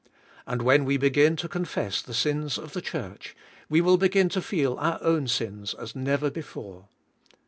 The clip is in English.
And when we begin to confess the sins of the church, we will begin to feel our own sins as never before.